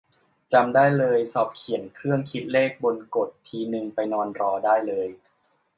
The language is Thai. จำได้เลย สอบเขียนเครื่องคิดเลขบน กด ทีนึงไปนอนรอได้เลย